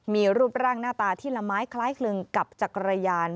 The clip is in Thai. มีรูปร่างหน้าตาที่ละไม้คล้ายคลึงกับจักรยาน